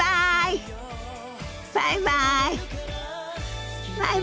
バイバイ。